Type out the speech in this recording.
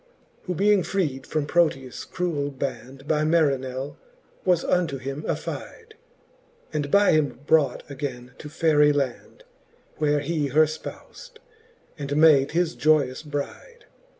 Who being freed from Proteus cruell band By Marinelf was unto him affide, And by him brought againe to Faerie land ; Where he her fpous'd, and made his joyous bride.